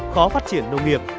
khó phát triển nông nghiệp